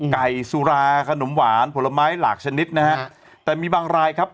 ไก่สุราขนมหวานผลไม้หลากชนิดนะฮะแต่มีบางรายครับ